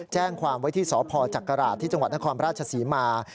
แจ้งความไว้ที่สพจักราชที่จังหวัดนครราชศรีมา